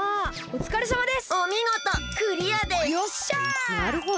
おつかれさまです！